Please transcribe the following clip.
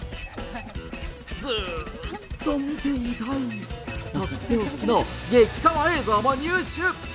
ずーっと見ていたい取って置きの激かわ映像も入手。